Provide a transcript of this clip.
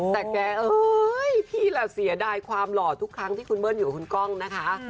แต่แกเอ้ยพี่ล่ะเสียดายความหล่อทุกครั้งที่คุณเบิ้ลอยู่กับคุณก้องนะคะ